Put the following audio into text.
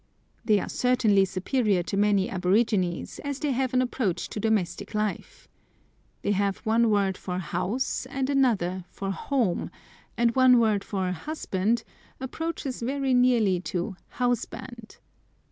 They are certainly superior to many aborigines, as they have an approach to domestic life. They have one word for house, and another for home, and one word for husband approaches very nearly to house band.